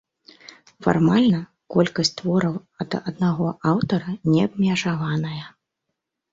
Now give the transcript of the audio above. Фармальна колькасць твораў ад аднаго аўтара не абмежаваная.